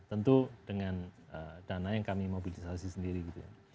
tentu dengan dana yang kami mobilisasi sendiri gitu ya